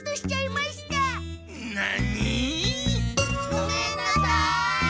ごめんなさい！